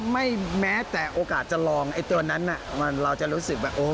แม้แต่โอกาสจะลองไอ้ตัวนั้นเราจะรู้สึกแบบโอ้